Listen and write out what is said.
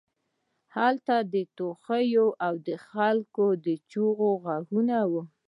هلته د ټوخي او د خلکو د چیغو غږونه وو